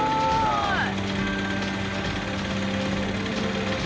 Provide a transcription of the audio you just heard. すごーい！